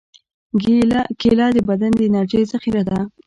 کېله د بدن د انرژۍ ذخیره ده.